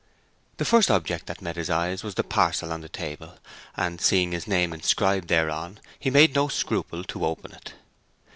The first object that met his eyes was the parcel on the table, and, seeing his name inscribed thereon, he made no scruple to open it.